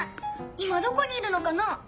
いまどこにいるのかな？